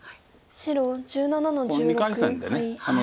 白１７の十六ハイ。